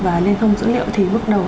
và liên thông dữ liệu thì bước đầu